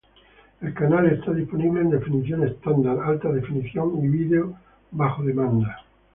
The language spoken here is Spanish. El canal está disponible en definición estándar, alta definición y vídeo bajo demanda.